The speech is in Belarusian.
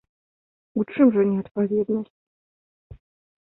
У чым жа неадпаведнасць?